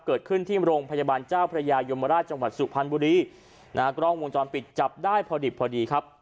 เกิดขึ้นที่โรงพยาบาลเจ้าพระยายมราชจังหวัดสุพรรณบุรีนะฮะกล้องวงจรปิดจับได้พอดิบพอดีครับ